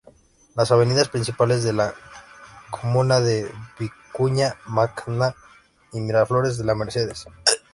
Las avenidas principales de la comuna son Vicuña Mackenna y Miraflores de las Mercedes.